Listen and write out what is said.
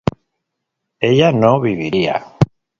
¿ella no viviría?